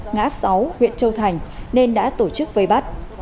ngã sáu huyện châu thành nên đã tổ chức vây bắt